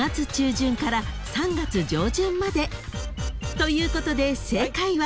［ということで正解は］